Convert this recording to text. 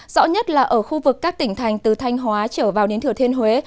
rõ nhất là ở khu vực các tỉnh thành từ thanh hóa trở vào đến thừa thiên huế